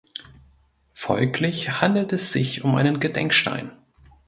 Folglich handelt es sich um einen Gedenkstein.